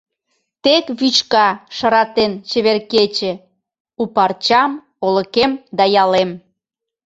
Тек вӱчка, шыратен, чевер кече У парчам, олыкем да ялем.